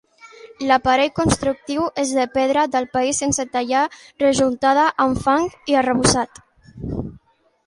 L'aparell constructiu és de pedra del país sense tallar rejuntada amb fang i arrebossat.